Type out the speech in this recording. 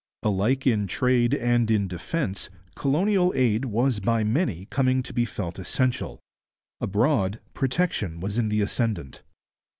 Alike in trade and in defence, colonial aid was by many coming to be felt essential. Abroad, protection was in the ascendant.